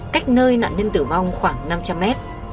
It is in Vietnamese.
cách nơi nạn nhân tử vong khoảng năm trăm linh mét